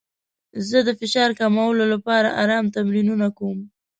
زه د فشار کمولو لپاره ارام تمرینونه کوم.